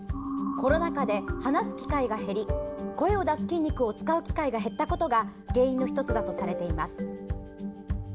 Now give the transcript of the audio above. コロナ禍で話す機会が減り声を出す筋肉を使う機会が減ったことが原因の１つだとされています。